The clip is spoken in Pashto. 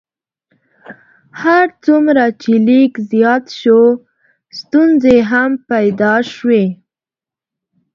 هر څومره چې لیک زیات شو ستونزې هم پیدا شوې.